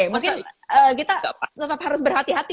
mungkin kita tetap harus berhati hati